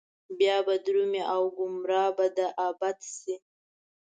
بيا به درومي او ګمراه به د ابد شي